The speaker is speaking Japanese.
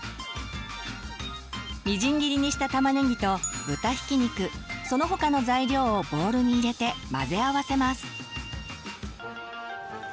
みじん切りにした玉ねぎと豚ひき肉その他の材料をボウルに入れて混ぜ合わせます。